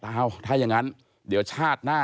นั่นแหละสิเขายิบยกขึ้นมาไม่รู้ว่าจะแปลความหมายไว้ถึงใคร